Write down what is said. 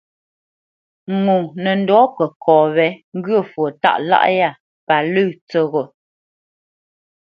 Ŋo nə ndɔ̌ kəkɔ wé ŋgyə̂ fwo tâʼ lâʼ yá pa lə̂ tsəghó.